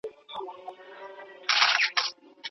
د هر ډول تبعیض څخه لیرې پاتې کېدل اړین دي.